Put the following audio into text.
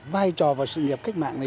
vai trò và sự nghiệp cách mạng này